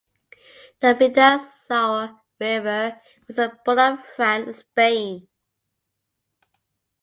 The Bidassoa River was the border of France and Spain.